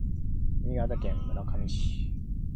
新潟県村上市